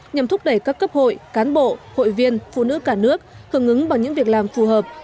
nhằm thúc đẩy các cấp hội cán bộ hội viên phụ nữ cả nước hưởng ứng bằng những việc làm phù hợp